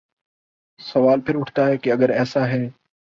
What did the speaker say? سوال پھر اٹھتا ہے کہ اگر ایسا ہے۔